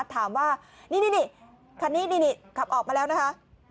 ถามว่านี่คันนี้นี่ขับออกมาแล้วนะคะ